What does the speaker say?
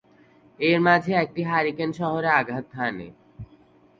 এর মাঝে একটি হারিকেন শহরে আঘাত হানে।